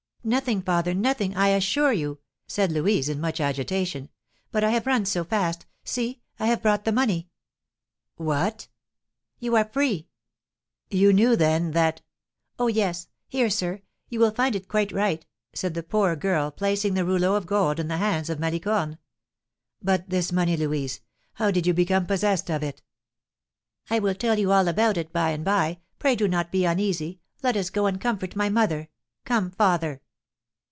"Nothing, father, nothing, I assure you!" said Louise, in much agitation; "but I have run so fast! See, I have brought the money!" "What?" "You are free!" "You knew, then, that " "Oh, yes! Here, sir, you will find it quite right," said the poor girl, placing the rouleau of gold in the hands of Malicorne. "But this money, Louise, how did you become possessed of it?" "I will tell you all about it by and by; pray do not be uneasy; let us go and comfort my mother. Come, father."